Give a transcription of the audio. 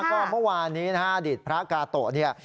ก็เมื่อวานนี้นะฮะอดีตพระกาโตะเนี่ย